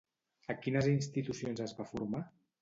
A quines institucions es va formar?